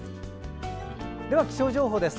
では気象情報です。